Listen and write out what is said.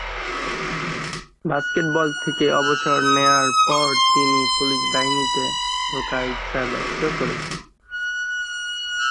Basketball থেকে অবসর নেয়ার পর তিনি পুলিশ বাহিনীতে ঢোকার ইচ্ছা ব্যক্ত করেছেন।